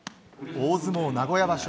大相撲名古屋場所